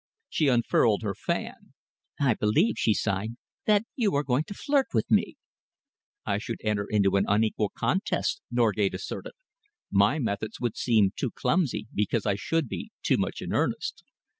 She unfurled her fan. "I believe," she sighed, "that you are going to flirt with me." "I should enter into an unequal contest," Norgate asserted. "My methods would seem too clumsy, because I should be too much in earnest."